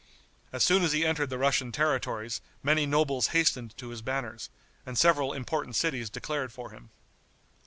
As soon as he entered the Russian territories many nobles hastened to his banners, and several important cities declared for him.